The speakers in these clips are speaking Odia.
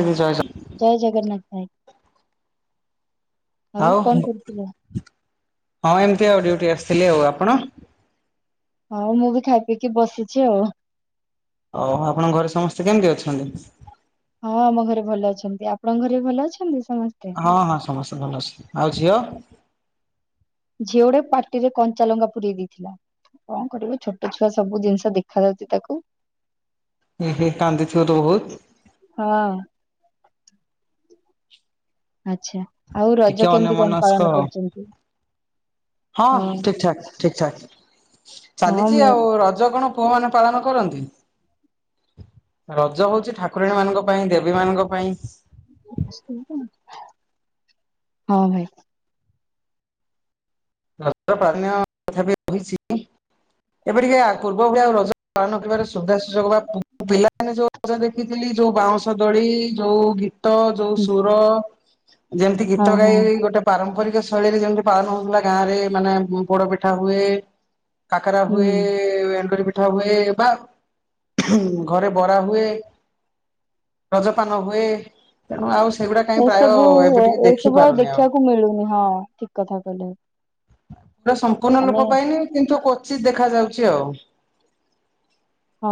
ହୁଁ ଜୟ ଜୟ ଜଗନ୍ନାଥ ଭାଇ। ଆଉ କଣ ହଁ କରୁଥିଲେ? ଏମିତି ଆଉ ଡ୍ୟୁଟି ଆସିଥିଲି ଆଉ ଆପଣ? ହଁ, ମୁଁ ବି ଖାଇ ପିଇକି ବସିଛି ଆଉ। ଓ ଆପଣଙ୍କ ଘରେ ସମସ୍ତେ କେମିତି ଅଛନ୍ତି? ହଁ ଆମ ଘରେ ଭଲ ଅଛନ୍ତି। ଆପଣଙ୍କ ଘରେ ବି ଭଲ ଅଛନ୍ତି ସମସ୍ତେ। ହଁ ହଁ ସମସ୍ତେ ଭଲ ଅଛନ୍ତି ଆଉ ଝିଅ? ଝିଅ ଗୋଟେ ପାଟିରେ କଞ୍ଚା ଲଙ୍କା ପୁରେଇ ଦେଇଥିଲା। କଣ କରିବ ଛୋଟ ଛୁଆ ସବୁ ଜିନିଷ ଦେଖା ଯାଉଛି ତାକୁ। ଏ ହେ କାନ୍ଦିଥିବ ତ ବହୁତ୍। ହଁ। ଆଚ୍ଛା, ଆଉ ରଜ ଟିକେ କେମିତି କଣ ଅନ୍ୟମନସ୍କ ପାଳନ ଆଉ। କରୁଛନ୍ତି? ହଁ ଠିକ୍ ଠାକ୍ ହଁ ଚାଲିଛି ମୁଁ ଆଉ, ରଜ କଣ ପୁଅ ମାନେ ପାଳନ କରନ୍ତି? ରଜ ହଉଛି ଠାକୁରଣୀ ମାନଙ୍କ ପାଇଁ ଦେବୀ ମାନଙ୍କ ପାଇଁ। ହଁ ଭାଇ। ରଜ [unintelligible] ପ୍ରଥା ରହିଛି ଏବେ ଟିକେ ପୂର୍ବ ଭଳି ଆଉ ରଜ ପାଳନ କରିବାରେ ସୁବିଧା ସୁଯୋଗ ବା ପିଲାମାନେ ଯଉ ଜା ଦେଖିଥିଲି ଯୋଉ ବାଉଁଶ ଦଳି ଯୋଉ ଗୀତ ଯୋଉ ହୁଁ, ସୁର ଯେମିତି ହଁ ଗୀତ ହଁ ଗାଇ ଗୋଟେ ପାରମ୍ପରିକ ଶୈଳୀରେ ଯେମିତି ପାଳନ ହଉଥିଲା ଗାଁ ରେ ମାନେ ପୋଡ଼ ପିଠା ହୁଏ କାକରା ହୁଁ ହୁଏ ଏକ ପିଠା ହୁଏ ବା ଘରେ ବରା ହୁଏ। ରଜପାନ ହୁଏ ତେଣୁ ଆଉ ସେଗୁଡା କାହିଁ ପ୍ରାୟ ଏଇସବୁ ଏବେ ଟିକେ ଦେଖି ଏଇସବୁ ଆଉ ପାରୁନି ଦେଖିବାକୁ ମିଳୁନି, ହଁ ଠିକ କଥା କହିଲେ ଆଉ। ଏଟା ସମ୍ପୂର୍ଣ୍ଣ ଲୋପ ପାଇନି କିନ୍ତୁ କୋଚିତ୍ ଦେଖାଯାଉଛି ଆଉ। ହଁ।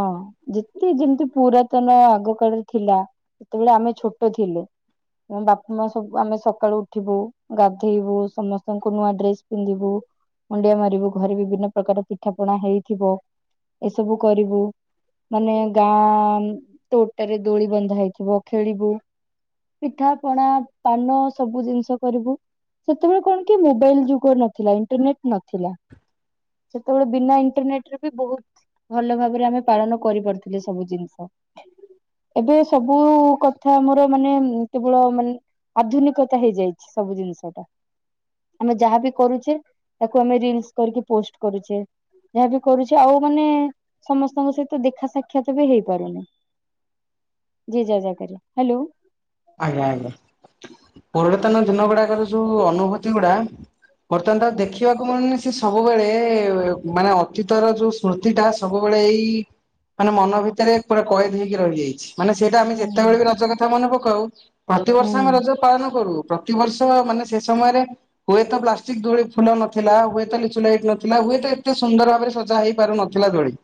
ଯେତି ଯେମତି ପୁରାତନ ଆଗ କାଳରେ ଥିଲା ସେତେବେଳେ ଆମେ ଛୋଟ ଥିଲୁ। ତେଣୁ ବାପା ମା ସବୁ ଆମେ ସକାଳୁ ଉଠିବୁ ଗାଧେଇବୁ, ସମସ୍ତଙ୍କୁ ନୂଆ ଡ୍ରେସ ପିନ୍ଧିବୁ ମୁଣ୍ଡିଆ ମାରିବୁ, ଘରେ ବିଭିନ୍ନ ପ୍ରକାର ପିଠା ପଣା ହେଇଥିବ, ଏସବୁ କରିବୁ ମାନେ ଗାଁ ତୋଟାରେ ଦୋଳି ବନ୍ଧା ହେଇଥିବ ଖେଳିବୁ ପିଠା ପଣା, ପାନ, ସବୁ ଜିନିଷ କରିବୁ ସେତେବେଳେ କଣ କି ମୋବାଇଲ ଯୁଗ ନଥିଲା, ଇଣ୍ଟରନେଟ ନଥିଲା। ସେତେବେଳେ ବିନା ଇଣ୍ଟରନେଟରେ ବି ବହୁତ ଭଲ ଭାବରେ ଆମେ ପାଳନ କରିପାରୁଥିଲେ ସବୁ ଜିନିଷ। ଏବେ ସବୁ କଥା ମୋର ମାନେ ଉମ୍ କେବଳ ମାନେ ଆଧୁନିକତା ହେଇଯାଇଛି ସବୁ ଜିନିଷଟା। ଆମେ ଯାହାବି କରୁଛେ, ତାକୁ ଆମେ ରିଲସ କରିକି ପୋଷ୍ଟ କରୁଛେ ଯାହା ବି କରୁଛେ ଆଉ ମାନେ ସମସ୍ତଙ୍କ ସହିତ ଦେଖା ସାକ୍ଷାତ ବି ହେଇପାରୁନି, ଯିଏ ଯାହା ଜାଗାରେ। ହ୍ୟାଲୋ ଆଜ୍ଞା ଆଜ୍ଞା। ପୁରାତନ ଦିନ ଗୁଡାକର ଯୋଉ ଅନୁଭୂତି ଗୁଡ଼ା ବର୍ତ୍ତମାନ ତାକୁ ଦେଖିବାକୁ ମିଳୁନି ଚି ସବୁବେଳେ ଏ ମାନେ ଅତୀତର ଯୋଉ ସ୍ମୃତିଟା ସବୁବେଳେ ଏଇ ମାନେ ମନ ଭିତରେ ପୁରା କଏଦ ହେଇକି ରହିଯାଇଛି। ମାନେ ସେଇଟା ଆମେ ହୁଁ ଯେତେବେଳେ ବି ରଜ କଥା ମନେ ପକାଉ, ପ୍ରତିବର୍ଷ ଆମେ ହୁଁ ରଜ ପାଳନ କରୁ, ପ୍ରତିବର୍ଷ ମାନେ ସେ ସମୟରେ ହୁଏତ ପ୍ଲାଷ୍ଟିକ ଦୋଳି ଫୁଲ ନଥିଲା, ହୁଏତ ଲିଚୁ ଲାଇଟ୍ ନଥିଲା, ହୁଏତ ଏତେ ସୁନ୍ଦର ଭାବରେ ସଜା ହେଇପାରୁନଥ ଥିଲା ଦୋଳି।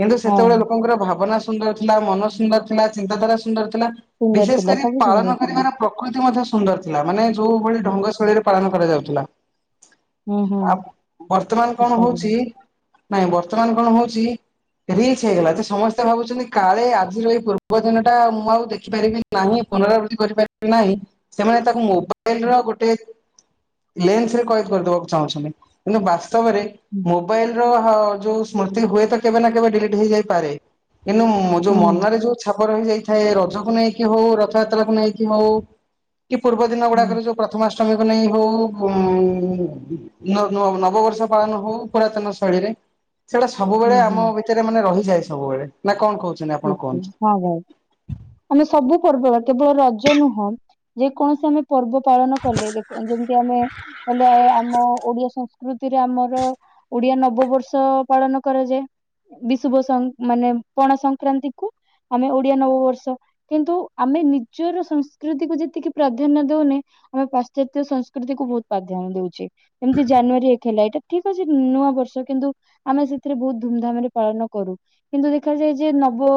କିନ୍ତୁ ହଁ ସେତେବେଳେ ଲୋକଙ୍କର ଭାବନା ସୁନ୍ଦର ଥିଲା, ମନ ସୁନ୍ଦର ଥିଲା, ଚିନ୍ତାଧାରା ସୁନ୍ଦର ଥିଲା ସୁନ୍ଦର ବିଶେଷ ଥିଲା, କରି ସବୁ ପାଳନ ସୁନ୍ଦର କରିବାର ଥିଲା। ପ୍ରକୃତି ମଧ୍ୟ ସୁନ୍ଦର ଥିଲା, ମାନେ ଯୋଉ ଭଳି ହୁଁ ଢଙ୍ଗ ଶୈଳୀରେ ପାଳନ କରାଯାଉଥିଲା। ହୁଁ ହୁଁ ଆପ ବର୍ତ୍ତମାନ କଣ ହୁଁ ହଉଛି, ନାଇଁ ବର୍ତ୍ତମାନ କଣ ହଉଛି ରିଲ୍ସ ହେଇଗଲା। ଯେ ସମସ୍ତେ ଭାବୁଛନ୍ତି କି କାଳେ ଆଜିର ଏଇ ପୂର୍ବ ଦିନଟା ମୁଁ ଆଉ ଦେଖିପାରିବି କି ନାହିଁ ପୁନରାବୃତ୍ତି କରିପାରିବି ନାହିଁ, ସେମାନେ ତାକୁ ମୋବାଇଲର ଗୋଟେ ଲେନ୍ସରେ କଏଦ କରିଦବାକୁ ଚାହୁଁଛନ୍ତି। କିନ୍ତୁ ବାସ୍ତବରେ ମୋବାଇଲ ଲର ହ ଯୋଉ ସ୍ମୃତି ହୁଏତ କେବେନା କେବେ ଡିଲିଟ୍ ହେଇଯାଇପାରେ, କିନୁ ଉମ୍ ଆମର ଯୋଉ ହୁଁ ମନରେ ଯୋଉ ଛାପ ରହିଯାଇଥାଏ, ରଜକୁ ନେଇକି ହଉ, ରଥଯାତ୍ରାକୁ ନେଇକି ହଉ କି ପୂର୍ବଦିନ ହୁଁ ଗୁଡାକରେ ଯୋଉ ପ୍ରଥମାଷ୍ଟମୀକୁ ନେଇ ହଉ, ଉମ୍ ନ-ନୂଆ ନବବର୍ଷ ପାଳନ ହଉ ପୁରାତନ ଶୈଳୀରେ ସେଗୁଡ଼ା ହୁଁ ସବୁବେଳେ ହୁଁ ଆମ ଭିତରେ ମାନେ ରହିଯାଏ ସବୁବେଳେ, ନା କଣ କହୁ ହୁଁ, ହୁଁ, ହଁ ଭାଇ। ଆମେ ସବୁ ପର୍ବ ବା କେବଳ ରଜ ନୁହଁ, ଯେକୌଣସି ଆମେ ପର୍ବ ପାଳନ କଲେ ଦେଖ ଯେମତି ଆମେ କଲେ ଆମ ଓଡିଆ ସଂସ୍କୃତିରେ ଆମର ଓଡିଆ ନବବର୍ଷ ପାଳନ କରାଯାଏ, ବିଷୁବ ସଂକ ମାନେ ପଣା ସଂକ ସଂକ୍ରାନ୍ତିକୁ ଆମେ ଓଡିଆ ନବବର୍ଷ କିନ୍ତୁ ଆମେ ନିଜର ସଂସ୍କୃତିକୁୁ ଯେତିକି ପ୍ରାଧାନ୍ୟ ଦଉନେ ଆମେ ପାଶ୍ଚାତ୍ୟ ସଂସ୍କୃତିକୁ ବହୁତ ପ୍ରାଧାନ୍ୟ ଦଉଚେ। ଏମତି ଜାନୁଆରୀ ଏକ ହେଲା ଏଇଟା ଠିକଅଛି ନୂଆବର୍ଷ କିନ୍ତୁ ଆମେ ସେଥିରେ ବହୁତ ଧୁମଧାମରେ ପାଳନକରୁ କିନ୍ତୁ ଦେଖାଯାଏ ଯେ ନବ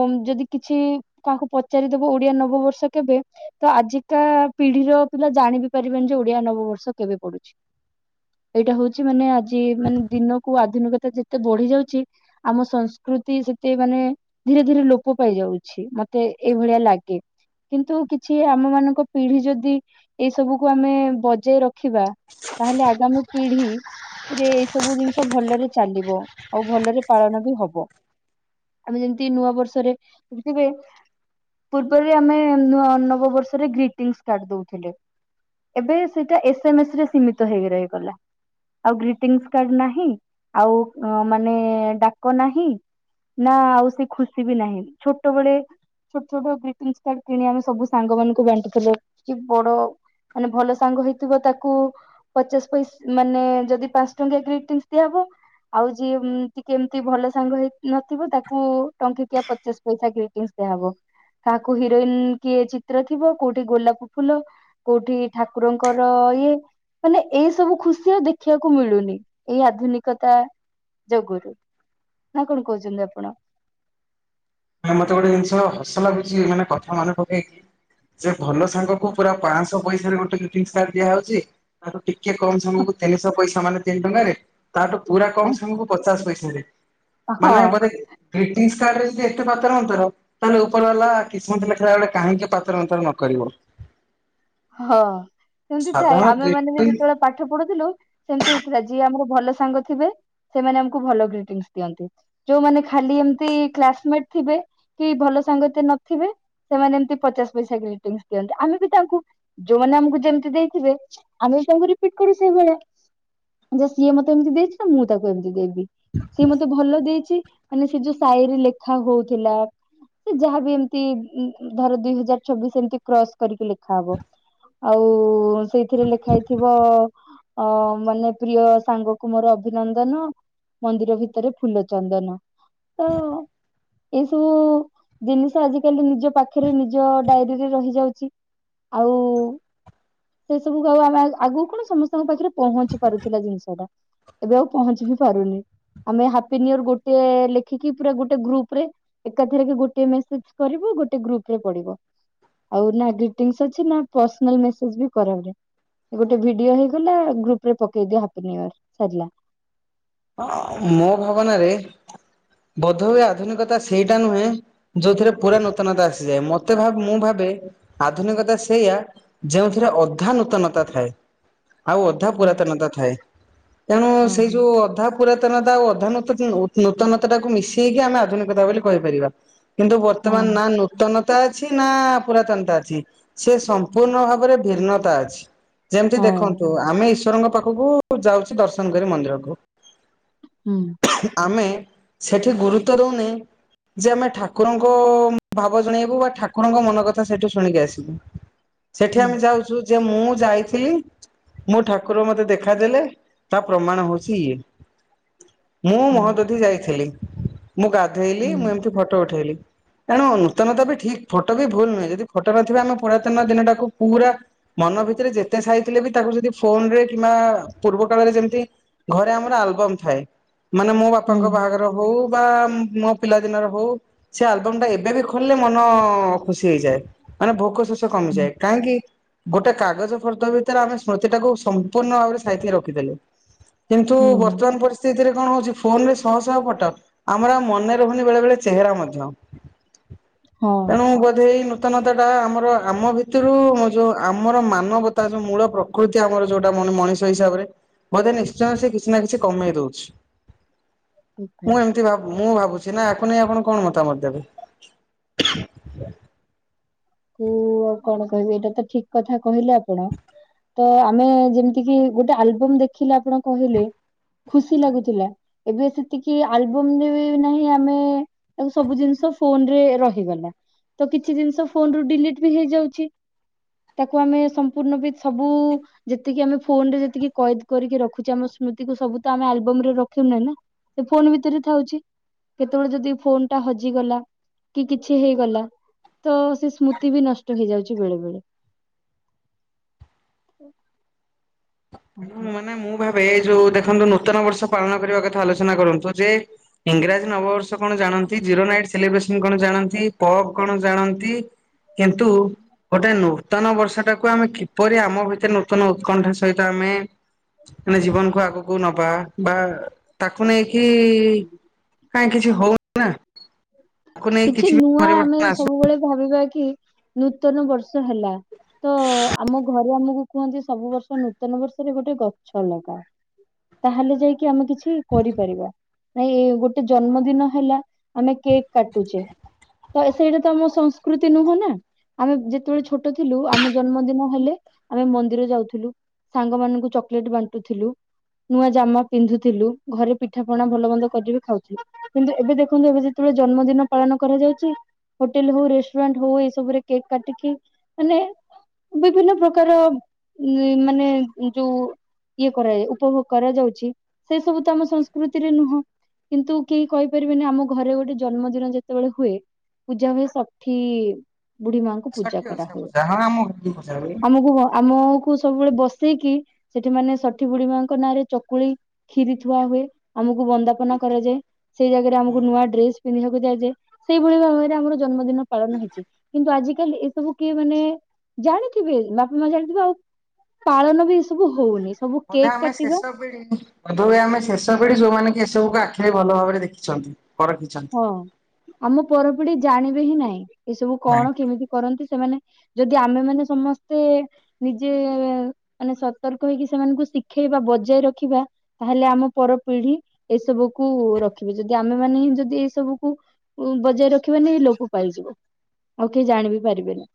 ଓ ଯଦି କିଛି କାହାକୁ ପଚାରିଦବୁ ଓଡିଆ ନବବର୍ଷ କେବେ ତ ଆଜିକା ପିଢିର ପିଲା ଜାଣିବିି ପାରିବେନିଯେ ଓଡିଆ ନବବର୍ଷ କେବେ ପଡୁଛି। ଏଇଟା ହଉଛି ମାନେ ଆଜି ମାନେ ଦିନକୁ ଆଧୁନିକତା ଯେତେ ବଢି ଯାଉଛି ଆମ ସଂସ୍କୃତି ସେତେ ମତେ ମାନେ ଧୀରେ ଧୀରେ ଲୋପ ପାଇଯାଉଛି ମତେ ଏଇଭଳିଆ ଲାଗେ। କିନ୍ତୁ କିଛି ଆମ ମାନଙ୍କ ପିଢିଯଦି ଏଇ ସବୁକୁ ଆମେ ବଜେଇ ରଖିବା ତାହେଲେ ଆଗାମୀ ପିଢି ରେ ଏଇସବୁ ଜିନିଷ ଭଲରେ ଚାଲିବ ଆଉ ଭଲରେ ପାଳନବି ହବ। ଆମେ ଯେମିତି ନୂଆ ବର୍ଷରେ ଦେଖିବେ ପୂର୍ବରେ ଆମେ ନୂଆ ନବବର୍ଷରେ ଗ୍ରୀିଟିଂସି କାର୍ଡ ଦଉଥିଲେ। ଏବେ ସେଇଟା ଏସ ମେସେରେ ସୀମିତ ହେଇକି ରହିଗଲା। ଆଉ ଗ୍ରୀଟିଂସି କାର୍ଡ ନାହିଁ ଆଉ ମାନେ ଡାକ ନାହିଁ। ନା ଆଉ ସେ ଖୁସିବି ନାହିଁ ଛୋଟବେଳେ ଛୋଟ ଛୋଟ ଗ୍ରିଟିସ କାର୍ଡ କିଣି ଆମେ ସବୁ ସାଙ୍ଗ ମାନଙ୍କୁ ବାଣ୍ଟିୁଥିଲେ କିବଡ ମାନେ ଭଲ ସାଙ୍ଗ ହେଇଥିବ ତାକୁ ପଚାଶ ପଇସା ମାନେ ଯଦି ପାଞ୍ଚ ଟଙ୍କିଆ ଗ୍ରିଟିସ ଦିଆହବ। ଆଉ ଯିଏ ଟିକିଏ ଏମିତି ଭଲସାଙ୍ଗ ହେଇ ନଥିବ ତାକୁ ଟଙ୍କିକିଆ ପଚାଶ ପଇସା ଗ୍ରିଟିସ ଦିଆହେବ। କାହାକୁ ହିରୋଇନ କିଏ ଚିତ୍ର ଥିବ କୋଉଠି ଗୋଲାପ ଫୁଲ କୋଉଠି ଠାକୁରଙ୍କର ଇଏ। ମାନେ ଏଇ ସବୁ ଖୁସି ଆଉ ଦେଖିବାକୁ ମିଳୁନି ଏଇ ଆଧୁନିକତା ଯୋଗୁରୁ ନା କଣ କହୁଛନ୍ତି ଆପଣ? ମତେ ଗୋଟେ ଜିନିଷ ହସ ଲାଗୁଛି ମାନେ କଥା ମନେ ପକେଇକି ଯେ ଭଲ ସାଙ୍ଗକୁ ପୁରା ପାଆଁସ ତ ପଇସାରେ ଗୋଟ ଗ୍ରୀଟିଂସ କାର୍ଡ ଦିଆହଉଛି। ତାଠୁ ଟିକେ କମ ସାଙ୍ଗକୁ ତିନିଶହ ପଇସା ମାନେ ତିନି ଟଙ୍କାରେ ତାଠୁ ପୁରା କମ ସାଙ୍ଗକୁ ପଚାଶ ପଇସାରେ ହଁ ମାନେ ବୋଧେ ଗ୍ରୀଟିସ କାର୍ଡରେ ଏତେ ଏତେପାତର ଅନ୍ତର ତାହେଲେ ଉପର ବାଲା କିସ୍ମତ ଲେଖିଲା ବେଳେ କାହିଁକି ପାତର ଅନ୍ତର ନକରିବ। [inaudible] ହଁ ସେମିତି ଥାଏ ଆମେ ମାନେବି ଗ୍ରିଟିଂ ଯେତେବେଳେ ପାଠ ପଢୁଥିଲୁ ସେମିତି ହଉଥିଲା ଯିଏ ଆମର ଭଲ ସାଙ୍ଗ ଥିବେ। ସେମାନେ ଆମକୁ ଭଲ ଗ୍ରୀଟିଙ୍ଗସ ଦିଅନ୍ତି। ଯୋଉମାନେ ଖାଲି ଏମତି କ୍ଲାସମେଟ ଥିବେ କି ଭଲ ସାଙ୍ଗଏତେ ନଥିବେ ସେମାନେ ଏମତି ପଚାଶ ପଇସା ଗ୍ରେଟିଙ୍ଗସ ଦିଅନ୍ତି ଆମେ ବି ତାଙ୍କୁ ଯୋଉମାନେ ଆମକୁ ଯେମିତି ଦେଇଥିବେ ଆମେ ବି ତାଙ୍କୁ ରିପିଟ କରୁ ସେଇଭଳିଆ। ଯେ ସିଏ ମତେ ଏମତି ଦେଇଥିଲା ମୁଁ ତାକୁ ଏମିତି ଦେବି। ସିଏ ମତେ ଭଲ ଦେଇଛି ମାନେ ସେ ଯୋଉ ସାଇରି ଲେଖା ହଉଥିଲା। ସେ ଯାହାବି ଏମିତି ଧର ଦୁଇ ହଜାର ଚଛବିଶ ଏମିତି କ୍ରସ୍ କରିକି ଲେଖା ହବ। ଆଉ ସେଇଥିରେ ଲେଖା ହେଇଥିବ ଅ ମାନେ ପ୍ରିୟ ସାଙ୍ଗ କୁ ମୋର ଅଭିନନ୍ଦନ ମନ୍ଦିର ଭିତରେ ଫୁଲ ଚନ୍ଦନ ତ ଏଇ ସବୁ ଜିନିଷ ଆଜିକାଲି ନିଜ ପାଖରେ ନିଜ ଡାଏରୀରେ ରହିଯାଉଛି। ଆଉ ସେ ସବୁ କ ଆଉ ଆମେ ଆଗକୁ କଣ ସମସ୍ତଙ୍କ ପାଖରେ ପହଞ୍ଚି ପାରୁଥିଲା ଜିନିଷ ଟା। ଏବେ ଆଉ ପହଞ୍ଚି ବି ପାରୁନି। ଆମେ ହାପି ନିଅର ଗୋଟେ ଲେଖିକି ପୁରା ଗୋଟେ ଗ୍ରୁପ୍ ରେ ଏକାଥରେ କି ଗୋଟେ ମେସେଜ୍ କରିବୁ ଗୋଟେ ଗ୍ରୁପ୍ ରେ ପଡିବ ଆଉ ନା ଗ୍ରିଟିନ୍ସ ଅଛ ଛି ନା ପର୍ସନାଲ୍ ମେସେଜ୍ ବି କରା ହୁଏ। ଗୋଟେ ଭିଡିଓ ହେଇଗଲା ଗ୍ରୁପ୍ ରେ ପକେଇ ଦିଅ ହାପିନିଅର୍ ସରିଲା। ଅ, ମୋ ଭାବନାରେ ବୋଧ ହୁଏ ଆଧୁନିକତା ସେଇଟା ନୁହେଁ ଯୋଉଥିରେ ପୁରା ନୂତନତା ଆସିଯାଏ ମୋତେ ଭାବ ମୁଁ ଭାବେ ଆଧୁନିକତା ସେଇଆ ଯେଉଁଥିରେ ଅଧା ନୂତନତା ଥାଏ। ଆଉ ଅଧା ପୁରାତନତା ଥାଏ। ତେଣୁ ସେଇ ହଁ ଯୋଉ ଅ ଧା ପୁରାତନତା ଓ ଅଧା ନୂତତୁ- ନୂ- ନୂତନତା ଟାକୁ ମିଶେଇକି ଆମେ ଆଧୁନିକତା ବୋଲି କହିପାରିବା। କିନ୍ତୁ ହଁ ବର୍ତ୍ତମାନ ନା ନୂ ତନତା ଅଛି ନା ପୁରାତନତା ଅଛି ସେ ସମ୍ପୂର୍ଣ୍ଣ ଭାବରେ ଭିନ୍ନତା ଅଛି। ଯେମିତି ହଁ ଦେଖନ୍ତୁ ଆମେ ଈଶ୍ଵରଙ୍କ ପାଖକୁ ଯାଉଛୁ ଦର୍ଶନ କରି ମନ୍ଦିରକୁ। ହୁଁ। ଆମେ ସେଠି ଗୁରୁତ୍ୱ ଦଉନି ଯେ ଆମେ ଠାକୁରଙ୍କ ଭାବ ଜଣେଇବୁ ବା ଠାକୁଡଙ୍କ ମନ କଥା ସେଇଠୁ ଶୁଣିକି ଆସିବୁ। ସେଠି ହୁଁ ଆମେ ଯାଉଛୁ ଯେ ମୁଁ ଯାଇଥିଲି ମୋ ଠାକୁର ମୋତେ ଦେଖାଦେଲେ ତା ପ୍ରମାଣ ହଉଛି ଇଏ। ମୁଁ ହୁଁ ମହୋଦଧି ଯାଇଥିଲି ମୁଁ ଗାଧେଇଲି ହୁଁ ମୁଁ ଏମିତି ଫଟୋ ଉଠେଇଲି। ତେଣୁ ନୂତନତା ବି ଠିକ ଫଟୋ ବି ଭୁଲ ନୁହେଁ। ଯଦି ଫଟୋ ନଥିବ ଆମେ ପୁରାତନ ଦିନଟାକୁ ପୁରା ମନ ଭିତରେ ଯେତେ ସାଇଥିଲେ ବି ତାକୁ ଯଦି ଫୋନ୍ ରେ କିମ୍ବା ପୂର୍ବ କାଳରେ ଯେମତି ଘରେ ଆମ ର ଆଲବମ୍ ଥାଏ। ମାନେ ମୋ ବାପାଙ୍କ ହୁଁ ବାହାଘର ହଉ ବା ମୋ ପିଲା ଦିନର ହଉ ସେ ଆଲବମ୍ ଟା ଏବେ ବି ଖୋଲିଲେ ମନ ଖୁସି ହେଇଯାଏ। ମାନେ ଭୋକ ଶୋଷ କମିଯାଏ କାହିଁକି ଗୋଟେ କାଗଜ ଫର୍ଦ୍ଦ ଭିତରେ ଆମେ ସ୍ମୃତି ଟାକୁ ସମ୍ପୂର୍ଣ୍ଣ ଭାବରେ ସାଇତିକି ରଖିଥିଲୁ। ତୁ ହୁଁ ବର୍ତ୍ତମାନ ପରିସ୍ ସେଇଥିରେ କଣ ହଉଛି ଫୋନ୍ ରେ ଶହ ଶହ ଫଟୋ। ଆମର ଆଉ ମନେ ରହୁନି ବେଳେ ବେଳେ ଚେହେରା ମଧ୍ୟ। ହଁ। ତେଣୁ ବୋଧେ ଏଇ ନୂ ତନତା ଟା ଆମର ଆମ ଭିତରୁ ମୁଁ ଯୋଉ ଆମର ମାନବତା ଯୋଉ ମୂଳ ପ୍ର କୃତି ଆମର ଯୋଉଟା ମନ ମଣିଷ ହିସାବରେ ବୋଧେ ନିଶ୍ଚୟ ସେ କିଛି ନା କିଛି କମେଇ ଦଉଛି। ଠିକ ଭାଇ। ମୁଁ ଏ ଚି ଭାବୁ ମୁଁ ଭାବୁଛି ନା ଆକୁ ନେଇ ଆପଣ କଣ ମତାମତ ଦେବେ? କୁ ଆଉ କଣ କହିବି ଏଇଟା ତ ଠିକ କଥା କହିଲେ ଆପଣ। ତ ଆମେ ଯେମିତି କିି ଗୋଟେ ଆଲବମ୍ ଦେଖିଲେ ଆପଣ କହିଲେ। ଖୁସି ଲାଗୁଥିଲା। ଏବେ ସେତିକି ଆଲବମ୍ ରେ ନାହିଁ ଆମେ ଏବେ ସବୁ ଜିନିଷ ଫୋନ୍ ରେ ରହିଗଲା। ତ କିଛି ଜିନିଷ ଫୋନ୍ ରୁ ଡିଲିଟ୍ ବି ହେଇଯାଉଛି ତାକୁ ଆମେ ସମ୍ପୂର୍ଣ୍ଣ ବି ସବୁ ଯେତିକି ଆମେ ଫୋନ୍ ରେ ଯେତିକି କଏଦ କରିକି ରଖୁଛେ ଆମ ସ୍ମୃତିକୁୁ ସବୁ ତ ଆମେ ଆଲବମ୍ ରେ ରଖିନେ ନା? ସେ ଫୋନ୍ ଭିତରେ ଥାଉଛି। କେତେବେଳେ ଯଦି ଫୋନ୍ ଟା ହଜିଗଲା କି କିଛି ହେଇଗଲା ତ ସେ ସ୍ମୃତି ବି ନଷ୍ଟ ହେଇଯାଉଛି ବେଳେ ବେଳେ। ମୁଁ ମାନେ ମୁଁ ଭାବେ ଏଇ ଯୋଉ ଦେଖନ୍ତୁ ନୂତନ ବର୍ଷ ପାଳନ କରିବା କଥା ଆଲୋଚନା କରନ୍ତୁ ଯେ ଇଂରାଜୀ ନବବର୍ଷ କଣ ଜାଣନ୍ତି? ଜିରୋ ନାଇଟ୍ ସେଲିବ୍ରେସନ୍ କଣ ଜାଣନ୍ତି? ପପ୍ କଣ ଜାଣନ୍ତି? କିନ୍ତୁ ଗୋଟେ ନୂତନ ବର୍ଷ ଟାକୁ ଆମେ କି ପରି ଆମ ଭିତରେ ନୂତନ ଉତ୍କଣ୍ଠା ସହିତ ଆମେ ମାନେ ଜୀବନକୁ ଆଗ କୁ ନବା, ବା ତାକୁ ନେଇକି କାଇଁ କିଛି ହଉ କିଛି ବି ନୂଆ ଆମେ ପରିବର୍ତ୍ତନ ଆସୁ ସବୁବେଳେ ଭାବିବା କି ନୂତନ ବର୍ଷ ହେଲା। ତ ଆମ ଘରୁ ଆମୁକୁ କୁହନ୍ତି ସବୁ ବର୍ଷ ନୂତନ ବର୍ଷରେ ଗୋଟେ ଗଛ ଲଗା। ତାହେଲେ ଯାଇକି ଆମେ କିଛି କରିପାରିବା ନାଇଁ ଗୋଟେ ଜନ୍ମଦିନ ହେଲା। ଆମେ କେକ୍ କାଟୁଚେ ତ ସେଇଟା ତ ଆମ ସଂସ୍କୃତି ନୁହଁ ନା। ଆମେ ଯେତେବେଳେ ଛୋଟ ଥିଲୁ ଆମ ଜନ୍ମଦିନ ହେଲେ ଆମେ ମନ୍ଦିର ଯାଉଥିଲୁ। ସାଙ୍ଗ ମାନଙ୍କୁ ଚକଲେଟ୍ ବାଣ୍ଟୁଥିଲୁ। ନୂଆ ଜାମା ପିନ୍ଧୁଥିଲୁ ଘରେ ପିଠା ପଣା ଭଲ ମନ୍ଦ କରିକିବି [unintelligible] ଖାଉଥିଲୁ କିନ୍ତୁ ଏବେ ଦେଖ ଦେଖନ୍ତୁ ଏବେ ଯେତୋଓଳେ ଜନ୍ମଦିନ ପାଳନ କରାଯାଉଛି ହୋଟେଲ୍ ହୋଉ ରେଷ୍ଟୁରାଣ୍ଟ ହୋଉ ଏସବୁରେ କେକ୍ କାଟିକି ମାନେ ବିଭିନ୍ନ ପ୍ରକାର ମାନେ ଯୋଉ ଇଏ କରାଯାଏ ଉପଭୋଗ କରାଯାଉଛି ସେ ସବୁ ତ ଆମ ସଂସ୍କୃତିରେ ନୁହଁ। କିନ୍ତୁ କେହି କହିପାରିବେନି ଆମକୁ କି ଘରେ ଗୋଟେ ଜନ୍ମଦିନ ଯେତୋଓଳେ ହୁଏ ପୂଜା ହୁଏ ଷଠି ବୁଢୀ ମାଙ୍କ ପୂଜା ଷାଠିଏ କରା ଓଷା ହୁଏ ପୂଜା ହଁ ଆମ ଘରେ ବି ପୂଜା ହୁଏ। ଆମକୁ ଆମ କୁ ସବୁବେଳେ ବସେଇକି ସେଠି ମାନେ ଷଠି ବୁଢୀ ମାଙ୍କ ନାଁରେ ଚକୁଳି କ୍ଷିରି ଥୁଆ ହୁଏ ଆମକୁ ବନ୍ଦାପନା କରାଯାଏ ସେଇ ଜାଗାରେ ଆମକୁ ନୂଆ ଡ୍ରେସ ପିନ୍ଧିବାକୁ ଦିଆଯାଏ। ସେଇଭଳି ଭାବେରେ ଆମର ଜନ୍ମଦିନ ପାଳନ ହେଇଚି। କିନ୍ତୁ ଆଜିିକାଲି ଏସବୁ କିଏ ମାନେ ଜାଣିଥିବେ ବାପା ମା ଜାଣିଥିବେ ଆଉ ପାଳନ ବି ଏ ସବୁ ହୋଉନି ସବୁ କେକ୍ କାଟିବା [inaudible] ବୋଧ ହୁଏ ଆମେ ଶେଷ ପିଢି ଯୋଉମାନେ କି ଏସବୁକୁ ଆଖିରେ ଭଲ ଭାବରେ ଦେଖିଛନ୍ତି ପରଖିଛନ୍ତି। ହଁ ଆମ ପରପିଢି ଜାଣିବେ ହିଁ ନାହିଁ ଏସବୁ କଣ ନାଇଁ। କେମିତି କରନ୍ତି ସେମାନେ ଯଦି ଆମେମାନେ ସମସ୍ତେ ନିଜେ ମାନେ ସତର୍କ ହେଇକି ସେମାନଙ୍କୁ ଶିଖେଇବା ବଜାଇ ରଖିବା। ତାହେଲେ ଆମ ପରପିଢି ଏସବୁକୁ ରଖିବେ ଯଦି ଆମେ ମାନେ ହି ଯଦି ଏଇ ସବୁକୁ ବଜାୟ ରଖିବାନି ଲୋପ ପାଇଯିବ ଆଉ କେହି ଜାଣିବି ପାରିବେନି।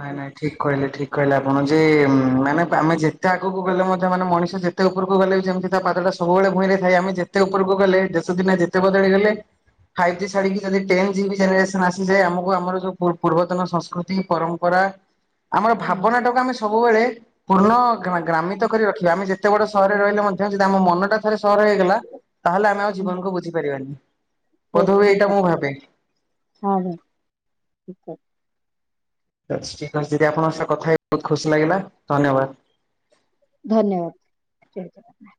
ନାଇଁ ନାଇଁ ଠିକ୍ କହିଲେ ଠିକ୍ କହିଲେ ଆପଣ ଯେ ମାନେ ଆମେ ଯେତେ ଆଗକୁ ଗଲେ ମଧ୍ୟ ମାନେ ମଣିଷ ଯେ ଯେତେ ଉପରକୁ ଗଲେ ବି ଯେମିତି ତା ପାଦଟା ସବୁବେଳେ ଭୂଇଁରେ ଥାଏ ଆମ ଯେତେ ଉପରକୁ ଗଲେ ଦେଶ ଦୁନିଆ ଯେତେ ବଦଳି ଗଲେ ଫାଇବି ଜି ଛାଡ଼ିକି ଯଦି ଟେନ୍ ଜି ବି ଜେନେରେସନ୍ ଆସିଯାଏ ଆମକୁ ଆମର ଯୋଉ ପୂ ପୂର୍ବତନ ସଂସ୍କୃତି ପରମ୍ ପରା ଆମର ହୁଁ ଭାବନା ଟାକୁ ଆମେ ସବୁବେଳେ ପୂର୍ଣ୍ଣ ଗ୍ରା ଗ୍ରାମିତ କରି ରଖିବା ଆମେ ଯେତେ ବଡ ସହରରେ ରହିଲେ ମଧ୍ୟ ଯଦି ଆମ ମନଟା ସହର ହେଇଗଲା ତାହେଲେ ଆମେ ଆଉ ହୁଁ ଜୀବନକୁ ବୁଝି ପାରିବାନି ସେ ବୋଧ ହୁଏ ଏଇଟା ଠିକ ମୁଁ କଥା ଭାବେ। ହଁ ଭ ଠିକ [unintelligible] ଠିକ୍ ଅଛି ଠିକ୍ ଦିଦି ଆପଣଙ୍କ ସହ କଥା ହେଇ ବୋହୁତ ଖୁସି ଲାଗିଲା ଧନ୍ୟବାଦ। ଧନ୍ୟବାଦ ଆଜ୍ଞା।